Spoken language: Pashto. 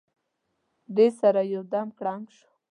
دې سره یو دم کړنګ شو.